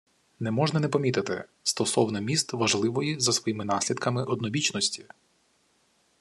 «Не можна не помітити… стосовно міст важливої за своїми наслідками однобічності: